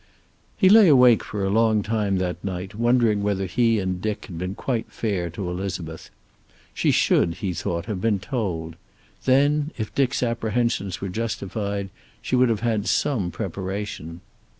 He lay awake for a long time that night, wondering whether he and Dick had been quite fair to Elizabeth. She should, he thought, have been told. Then, if Dick's apprehensions were justified, she would have had some preparation.